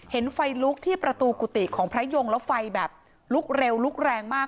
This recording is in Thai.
เห็นไฟลุกที่ประตูกุฏิของพระยงแล้วไฟแบบลุกเร็วลุกแรงมาก